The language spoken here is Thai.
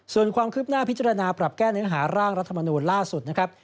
ส่วนความคืบหน้าพิจารณาปรับแก้เนื้อหาร่างรัฐมนูลล่าสุดนะครับ